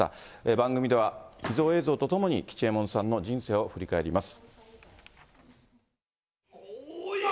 番組では秘蔵映像とともに、吉右衛門さんの人生を振り返ります。